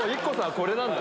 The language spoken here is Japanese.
これなんだ。